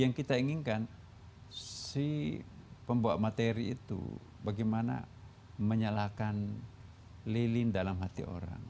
yang kita inginkan si pembawa materi itu bagaimana menyalakan lilin dalam hati orang